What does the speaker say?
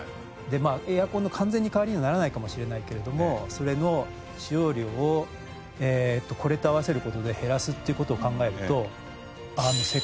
エアコンの完全な代わりにはならないかもしれないけれどもそれの使用量をこれと合わせる事で減らすっていう事を考えると。